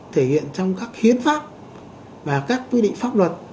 thể hiện trong các hiến pháp và các quy định pháp luật